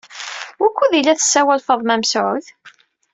Wukud ay la tessawal Faḍma Mesɛud?